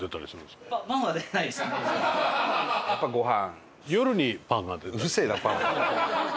やっぱご飯。